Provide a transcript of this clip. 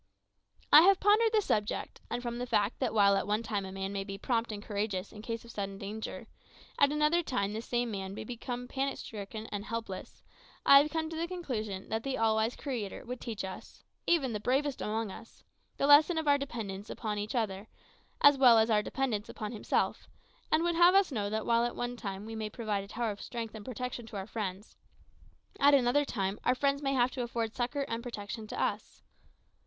I have pondered this subject, and from the fact that while at one time a man may be prompt and courageous in case of sudden danger, at another time the same man may become panic stricken and helpless, I have come to the conclusion that the all wise Creator would teach us even the bravest among us the lesson of our dependence upon each other, as well as our dependence upon Himself, and would have us know that while at one time we may prove a tower of strength and protection to our friends, at another time our friends may have to afford succour and protection to us.